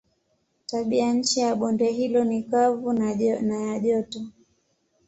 Tabianchi ya bonde hilo ni kavu na ya joto.